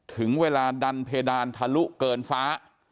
ถึงเวลาดันเพดานทะลุเกินฟ้า